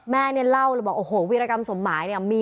แม่น้อยเล่าแล้วใช้วิริกรรมสมัยมีมา๓ปีแล้วนะ